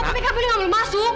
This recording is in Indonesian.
tapi kamu ini gak boleh masuk